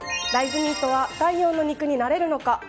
大豆ミートは第４の肉になれるのか。